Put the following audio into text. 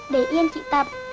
để yên chị tập